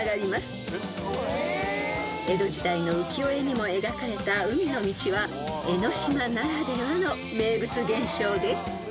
［江戸時代の浮世絵にも描かれた海の道は江の島ならではの名物現象です］